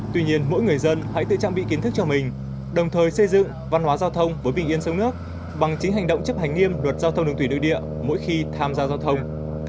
tuy nhiên mỗi người dân hãy tự trang bị kiến thức cho mình đồng thời xây dựng văn hóa giao thông với bình yên sông nước bằng chính hành động chấp hành nghiêm luật giao thông đường thủy đối địa mỗi khi tham gia giao thông